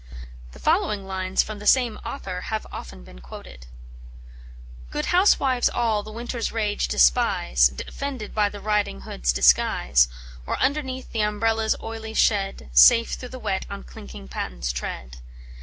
The following lines from the same author have often been quoted: "Good housewives all the winter's rage despise Defended by the riding hood's disguise: Or underneath the umbrella's oily shed Safe through the wet on clinking pattens tread.